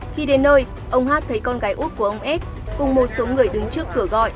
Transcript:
khi đến nơi ông hát thấy con gái út của ông s cùng một số người đứng trước cửa gọi